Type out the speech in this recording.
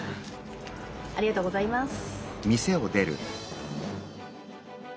ありがとうございます。